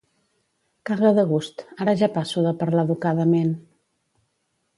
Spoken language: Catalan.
Caga de gust, ara ja passo de parlar educadament